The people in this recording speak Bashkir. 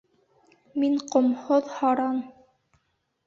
Мин -ҡомһоҙ, һаран!